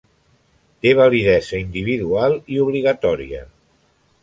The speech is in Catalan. Té validesa individual i obligatòria.